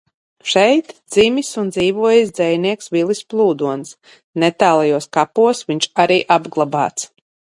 Šeit dzimis un dzīvojis dzejnieks Vilis Plūdons, netālajos kapos viņš arī apglabāts.